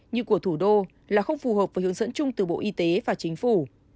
như của thủ đô là không phù hợp với hướng dẫn chung từ bộ y tế và chính phủ